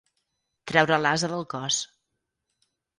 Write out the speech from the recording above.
Treure l'ase del cos.